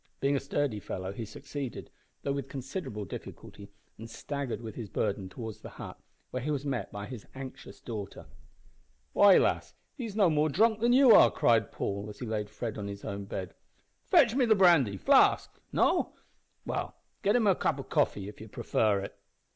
Being a sturdy fellow he succeeded, though with considerable difficulty, and staggered with his burden towards the hut, where he was met by his anxious daughter. "Why, lass, he's no more drunk than you are!" cried Paul, as he laid Fred on his own bed. "Fetch me the brandy flask no? Well, get him a cup of coffee, if ye prefer it."